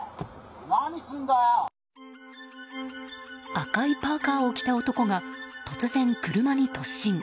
赤いパーカを着た男が突然、車に突進。